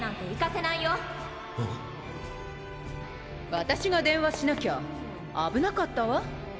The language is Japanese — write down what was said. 私が電話しなきゃ危なかったわ。